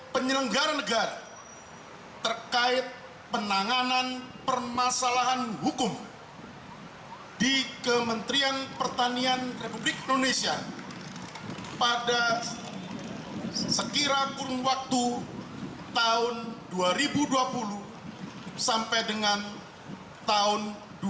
penyelenggara negara terkait penanganan permasalahan hukum di kementerian pertanian republik indonesia pada sekirakun waktu tahun dua ribu dua puluh sampai dengan tahun dua ribu dua puluh tiga